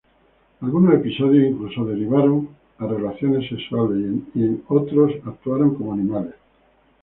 Algunos episodios incluso derivaron a relaciones sexuales y en otros Otros actuaron como animales.